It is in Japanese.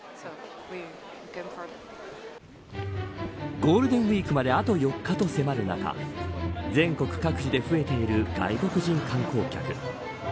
ゴールデンウイークまであと４日と迫る中全国各地で増えている外国人観光客。